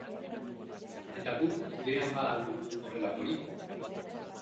Eta guk gurean ba al dugu horrelakorik?